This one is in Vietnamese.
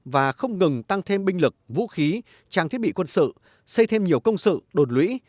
và không ngừng tăng thêm binh lực vũ khí trang thiết bị quân sự xây thêm nhiều công sự đột lũy